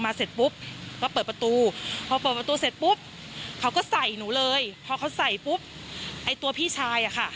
เสร็จปุ๊บก็เปิดประตูพอเปิดประตูเสร็จปุ๊บเขาก็ใส่หนูเลยพอเขาใส่ปุ๊บไอ้ตัวพี่ชายอ่ะค่ะ